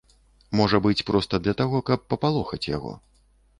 Можа быць, проста для таго, каб папалохаць яго.